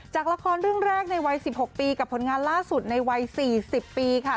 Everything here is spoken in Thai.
จากละครเรื่องแรกในวัย๑๖ปีกับผลงานล่าสุดในวัย๔๐ปีค่ะ